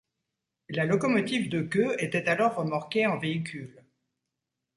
La locomotive de queue était alors remorquée en véhicule.